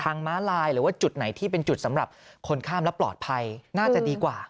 ม้าลายหรือว่าจุดไหนที่เป็นจุดสำหรับคนข้ามและปลอดภัยน่าจะดีกว่า